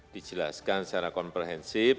dijelaskan secara komprehensif